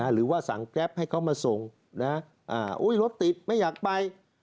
หรือว่าสั่งแกรปให้เขามาส่งรถติดไม่อยากไป